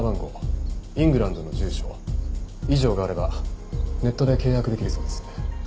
イングランドの住所以上があればネットで契約できるそうです。